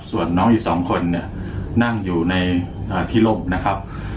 ส่วนน้องอีกสองคนนั่งอยู่ในที่ร่มนะครับ